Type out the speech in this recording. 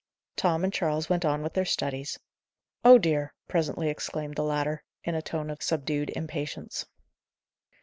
Tom and Charles went on with their studies. "Oh dear!" presently exclaimed the latter, in a tone of subdued impatience.